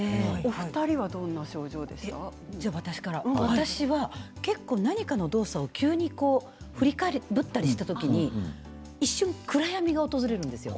私は結構何かの動作を急にこう振り返りぶったりした時に一瞬暗闇が訪れるんですよ。